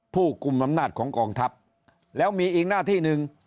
ผู้กลุ่มอำนาจของกองทัพแล้วมีอีกหน้าที่หนึ่ง